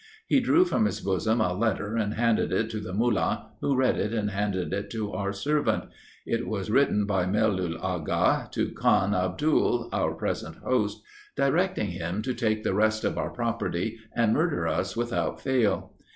He drew from his bosom a letter and handed it to the Mullah, who read it and handed it to our servant. It was written by Melul Agha, to Khan Abdul, our present host, directing him to take the rest of our property, and murder us without fail.